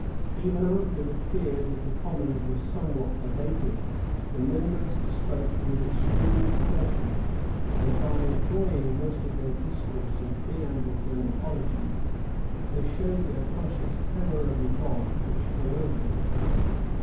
Even after the fears of the commons were somewhat abated, the members spoke with extreme precaution; and by employing most of their discourse in preambles and apologies, they showed their conscious terror of the rod which hung over them.